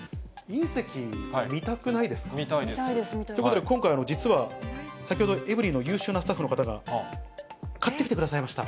見たいです。ということで今回、実は先ほど、エブリィの優秀なスタッフの方が買ってきてくださいました。